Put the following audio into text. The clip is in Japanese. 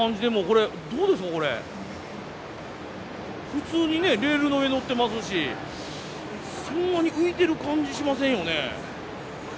普通にねレールの上のってますしそんなに浮いてる感じしませんよね。